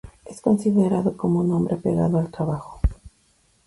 Es considerado como un hombre apegado al trabajo.